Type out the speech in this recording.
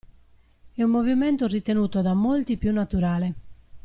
È un movimento ritenuto da molti più naturale.